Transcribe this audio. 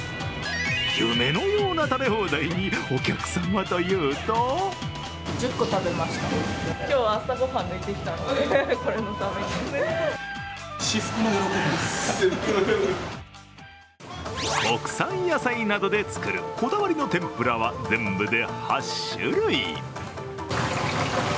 夢のような食べ放題にお客さんはというと国産野菜などで作るこだわりの天ぷらは全部で８種類。